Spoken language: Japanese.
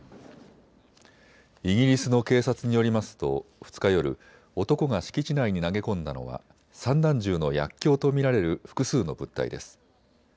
イギリスの警察によりますと２日夜、男が敷地内に投げ込んだのは散弾銃の薬きょうと見られる複数の物体です。